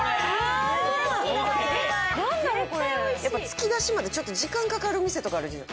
突き出しまでちょっと時間かかる店とかあるでしょ。